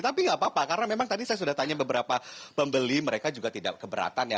tapi nggak apa apa karena memang tadi saya sudah tanya beberapa pembeli mereka juga tidak keberatan ya